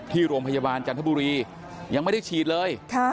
ที่โรงพยาบาลจันทบุรียังไม่ได้ฉีดเลย